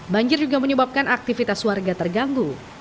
banjir juga menyebabkan aktivitas warga terganggu